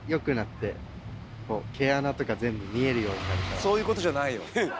そういうことじゃないよ。